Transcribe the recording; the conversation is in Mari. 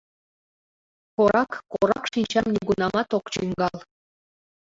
Корак корак шинчам нигунамат ок чӱҥгал...